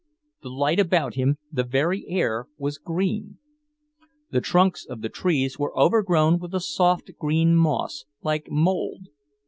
The light about him, the very air, was green. The trunks of the trees were overgrown with a soft green moss, like mould.